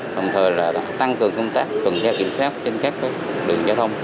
đồng thời là tăng cường công tác tuần tra kiểm soát trên các đường giao thông